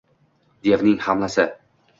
devning hamlasi